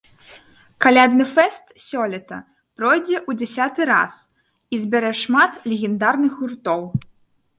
Калядны фэст сёлета пройдзе ў дзясяты раз і збярэ шмат легендарных гуртоў.